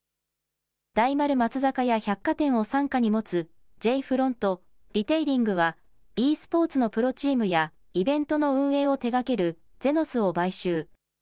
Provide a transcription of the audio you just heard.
大丸松坂屋百貨店を傘下に持つＪ．フロントリテイリングはｅスポーツのプロチームやイベントの運営を手がけるＸＥＮＯＺを買収。